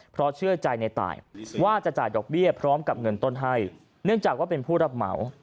เพราะเชื่อใจในตายว่าจะจ่ายดอกเบี้ยพร้อมกับเงินต้นให้เนื่องจากว่าเป็นผู้รับเหมา